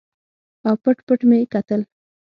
او پټ پټ مې کتل.